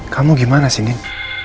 kamu gimana sih nin